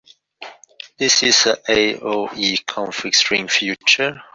This is the AoE "config string" feature.